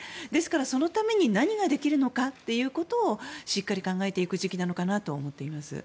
そのために何ができるかをしっかり考えていく時期なのかなとは思っています。